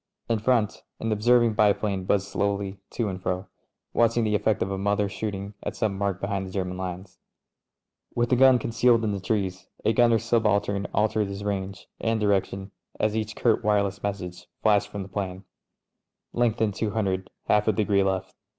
In front, an observing biplane buzzed slowly to and fro, watching the effect of a mother ^ shooting at some mark behind the German lines. With the gun con cealed in the trees, a gunner subaltern altered his range and direction as each curt wireless message flashed from the 'plane. "Lengthen 200 — half a degree left."